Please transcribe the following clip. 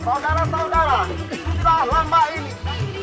saudara saudara ikutlah lamba ini